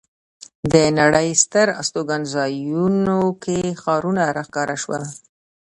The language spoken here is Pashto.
د نړۍ ستر استوګنځایونو کې ښارونه را ښکاره شول.